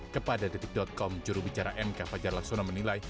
kepada detik com jurubicara mk fajar laksono menilai